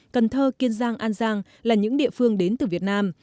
cần thơ kiên giang an giang là những địa phương đến từ việt nam